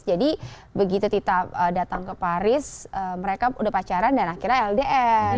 jadi begitu tita datang ke paris mereka udah pacaran dan akhirnya ldr